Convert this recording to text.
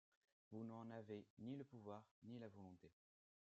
Vous n'en avez ni le pouvoir ni la volonté.